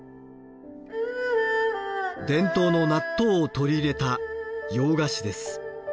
伝統の納豆を取り入れた洋菓子です。